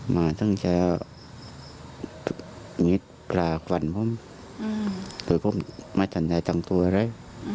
มาทั้งเจ้านิดกลากวันผมถึงผมไม่ทันใจตังค์ตัวเลย